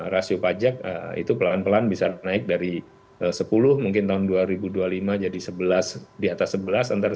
rasio pajak itu pelan pelan bisa naik dari sepuluh mungkin tahun dua ribu dua puluh lima jadi sebelas di atas sebelas